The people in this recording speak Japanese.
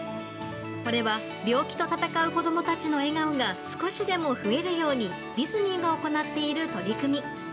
これは病気と闘う子供たちの笑顔が少しでも増えるようにディズニーが行っている取り組み。